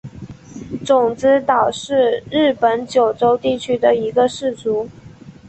种子岛氏是日本九州地区的一个氏族。